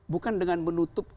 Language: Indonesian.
bukan dengan menutup